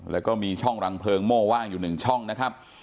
แล้วก็มีช่องรังเพลิงโม่ว่างอยู่๑ช่องนะครับ